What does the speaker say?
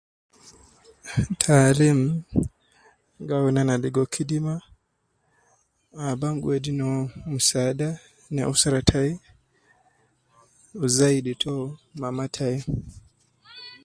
Taalim gi awun ana ligo kidima ab an gi no musaada, ne usra tai, wu zaidi to mama tai